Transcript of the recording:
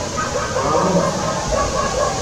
Tɣaḍem-tt?